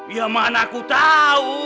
ya mana aku tahu